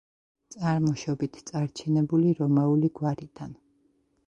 წარმოშობით წარჩინებული რომაული გვარიდან.